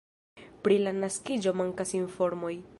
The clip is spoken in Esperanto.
Pri la naskiĝo mankas informoj.